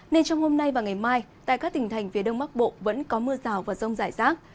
nên trong hôm nay và ngày mai tại các tỉnh thành phía đông bắc bộ vẫn có mưa rào và rông rải rác